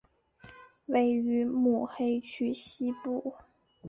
位于目黑区西部。